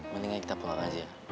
mendingan kita pulang aja